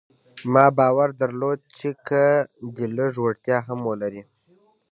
ما باور درلود چې که دی لږ وړتيا هم ولري.